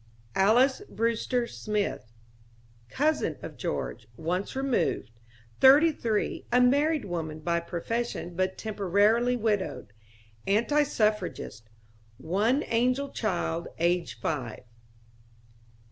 Alys Brewster Smith... Cousin of George, once removed; thirty three, a married woman by profession, but temporarily widowed. Anti suffragist. One Angel Child aged five.